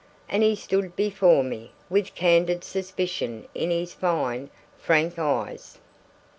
And he stood before me, with candid suspicion in his fine, frank eyes.